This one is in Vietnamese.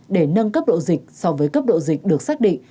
để nâng cấp độ dịch so với cấp độ dịch được xác định